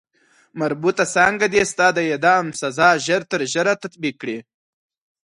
مربوطه څانګه دې ستا د اعدام سزا ژر تر ژره تطبیق کړي.